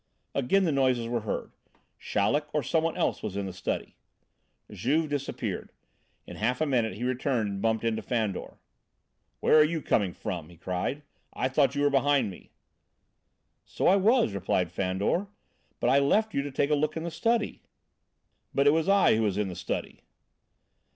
Again the noises were heard. Chaleck or some one else was in the study. Juve disappeared. In half a minute he returned and bumped into Fandor. "Where are you coming from?" he cried. "I thought you were behind me." "So I was," replied Fandor, "but I left you to take a look in the study." "But it was I who was in the study!"